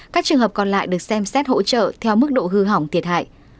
các trường hợp còn lại được xem xét hỗ trợ theo mức độ hư hỏng thiệt hại